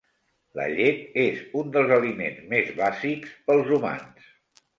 La llet és un dels aliments més bàsics pels humans.